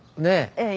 ええ。